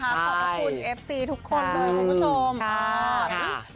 ขอบพระคุณเอฟซีทุกคนเลยคุณผู้ชม